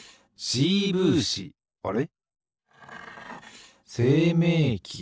あれ？